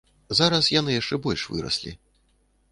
Зараз яны яшчэ больш выраслі.